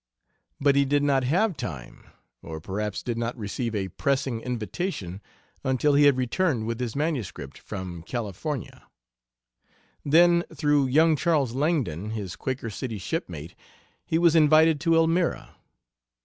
But he did not have time, or perhaps did not receive a pressing invitation until he had returned with his MS. from California. Then, through young Charles Langdon, his Quaker City shipmate, he was invited to Elmira.